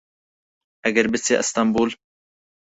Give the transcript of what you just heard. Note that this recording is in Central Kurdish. ئەگەر پچیە ئەستەمبول